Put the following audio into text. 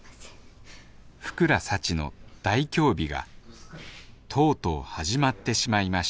福良幸の大凶日がとうとう始まってしまいまし